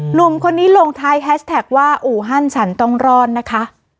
หนุ่มคนนี้ลงท้ายแฮชแท็กว่าอู่ฮั่นฉันต้องรอดนะคะ